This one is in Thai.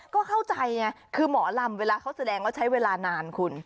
ก็เข้าใจไงคือหมอลำเวลาเขาแสดงแล้วใช้เวลานานคุณ